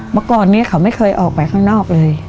เมื่อก่อนนี้เขาไม่เคยออกไปข้างนอกเลย